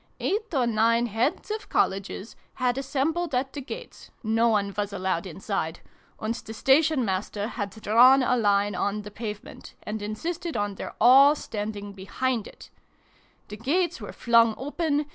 Eight or nine Heads of Colleges had assembled at the gates (no one was allowed inside), and the Station Master had drawn a line on the pavement, and insisted on their all standing behind it. XII] FAIRY MUSIC. 189 The gates were flung open